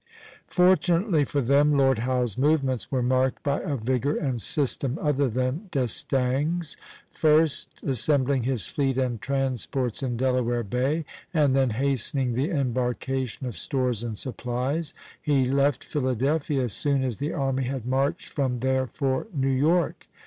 Fortunately for them, Lord Howe's movements were marked by a vigor and system other than D'Estaing's. First assembling his fleet and transports in Delaware Bay, and then hastening the embarkation of stores and supplies, he left Philadelphia as soon as the army had marched from there for New York.